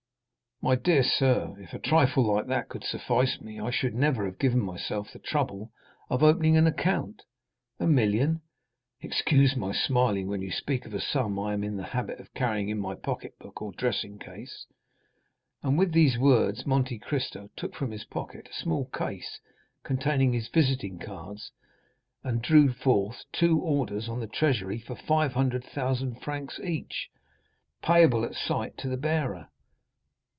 "My dear sir, if a trifle like that could suffice me, I should never have given myself the trouble of opening an account. A million? Excuse my smiling when you speak of a sum I am in the habit of carrying in my pocket book or dressing case." And with these words Monte Cristo took from his pocket a small case containing his visiting cards, and drew forth two orders on the treasury for 500,000 francs each, payable at sight to the bearer.